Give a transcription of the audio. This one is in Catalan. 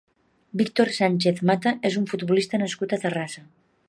Víctor Sánchez Mata és un futbolista nascut a Terrassa.